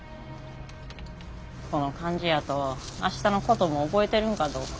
この感じやと明日のことも覚えてるんかどうか。